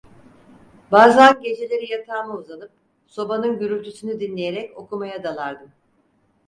Bazan, geceleri yatağıma uzanıp, sobanın gürültüsünü dinleyerek okumaya dalardım.